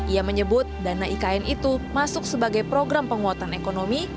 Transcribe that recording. ia menyebut dana ikn itu masuk sebagai program penguatan ekonomi